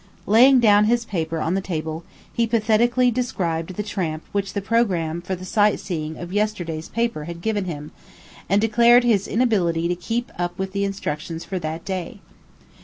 Laying down his paper on the table, he pathetically described the tramp which the programme for the sight seeing of yesterday's paper had given him, and declared his inability to keep up with the instructions for that day.